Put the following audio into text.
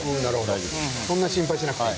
そんなに心配しなくても。